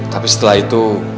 tapi setelah itu